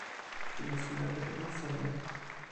sina sona kepeken seme?